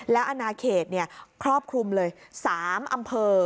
และอนาคตเนี่ยครอบคลุมเลย๓อำเภอ